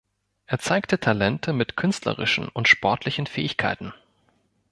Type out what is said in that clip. Er zeigte Talente mit künstlerischen und sportlichen Fähigkeiten.